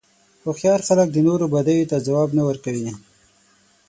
هوښیار خلک د نورو بدیو ته ځواب نه ورکوي.